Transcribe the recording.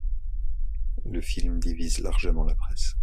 Le film divise largement la presse.